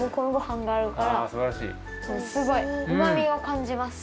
すごいうまみをかんじます。